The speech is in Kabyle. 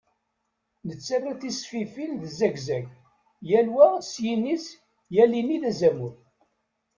Nettarra tisfifin, d zagzag, yal wa s yini-s, yal ini d azamul.